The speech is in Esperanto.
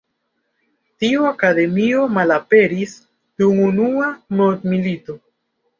Tiu akademio malaperis dum Unua mondmilito.